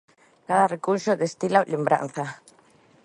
Cada recuncho destila lembranza.